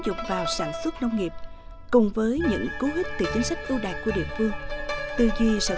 dụng vào sản xuất nông nghiệp cùng với những cố hức từ chính sách ưu đại của địa phương tư duy sản